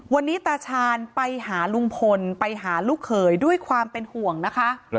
วันนี้ตาชาญไปหาลุงพลไปหาลูกเขยด้วยความเป็นห่วงนะคะ